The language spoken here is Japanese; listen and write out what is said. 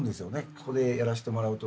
ここでやらせてもらうと。